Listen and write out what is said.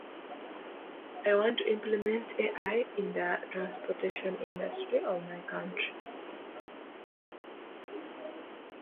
The only defensive players ranked ahead of Lilly were Dick Butkus and Lawrence Taylor.